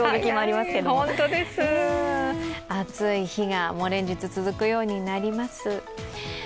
暑い日が連日続くようになります。